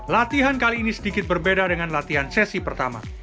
latihan kali ini sedikit berbeda dengan latihan sesi pertama